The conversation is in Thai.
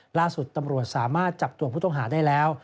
ล่าสุดตำรวจสามารถจับตัวผู้ต้องหาได้แล้ว